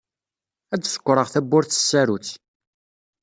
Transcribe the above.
Ad d-sekkṛeɣ tawwurt s tsarut.